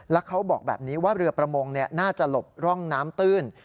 แล้วเขาบอกแบบนี้ว่าเรือประมงน่าจะหลบร่องน้ำตื้น